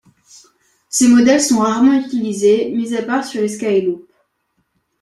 Ces modèles sont rarement utilisés, mis à part sur les SkyLoop.